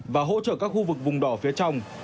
và hỗ trợ các khu vực vùng đỏ phía trong